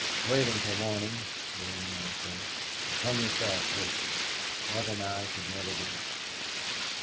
"Wait until morning," the old man said, "and come yourself, Dick. Mother and I could never do it."